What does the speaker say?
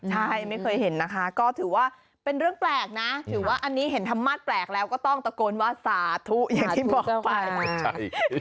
ใช่ไม่เคยเห็นนะคะก็ถือว่าเป็นเรื่องแปลกนะถือว่าอันนี้เห็นธรรมาสแปลกแล้วก็ต้องตะโกนว่าสาธุอย่างที่บอกไป